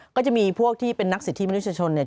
ก็จะมีพวกที่เป็นนักสิทธิมนุษยชนเนี่ย